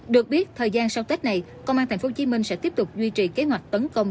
được biết thời gian sau tết này công an tp hcm sẽ tiếp tục duy trì kế hoạch tấn công